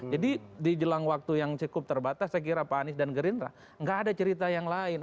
jadi di jelang waktu yang cukup terbatas saya kira pak any dan gerindra nggak ada cerita yang lain